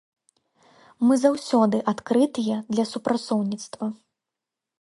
Мы заўсёды адкрытыя для супрацоўніцтва.